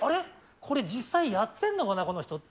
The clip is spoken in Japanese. これ実際やってんのかな、この人って。